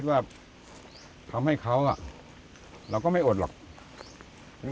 ภาพไม่เคยเราก็ไม่เอาคนไป